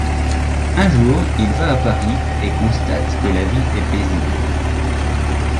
Un jour, il va à Paris et constate que la vie est paisible.